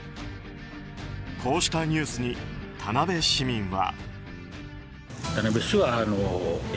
こうしたニュースに田辺市民は。